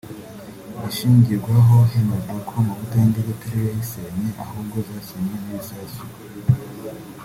igishingirwaho hemezwa ko amavuta y’indege atariyo yazisenye ahubwo zasenywe n’ibisasu